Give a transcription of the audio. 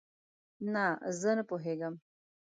نه، زه نه پوهیږم